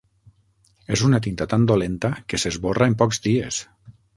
És una tinta tan dolenta que s'esborra en pocs dies.